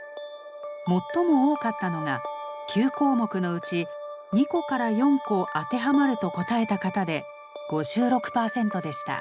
最も多かったのが９項目のうち２個から４個当てはまると答えた方で５６％でした。